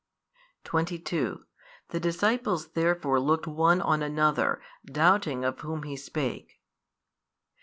22 The disciples therefore looked one on another, doubting of whom He spake.